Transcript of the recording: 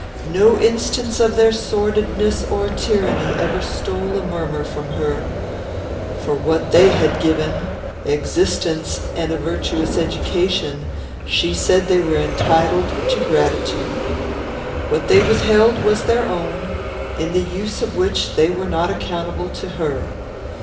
No instance of their sordidness or tyranny ever stole a murmur from her. For what they had given, existence and a virtuous education, she said they were entitled to gratitude. What they withheld was their own, in the use of which they were not accountable to her.